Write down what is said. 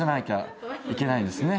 いけないんですね。